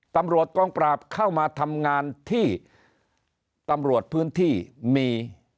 ตำรวจกองปราบเข้ามาทำงานที่ตำรวจพื้นที่มี